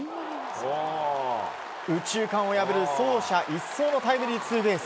右中間を破る走者一掃のタイムリーツーベース。